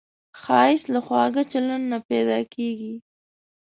ښایست له خواږه چلند نه پیدا کېږي